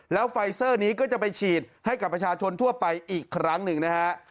แล้วไฟเซอร์นี้ก็จะไปฉีดให้กับประชาชนทั่วไปอีกครั้งหนึ่งนะฮะ